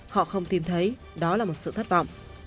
họ không tìm thấy đó là một sự thất vọng